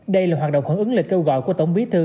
đây là hoạt động hỗn ứng lệnh kêu gọi của tổng bí thư